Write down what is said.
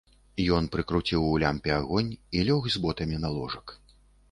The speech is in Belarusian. Ён прыкруціў у лямпе агонь і лёг з ботамі на ложак.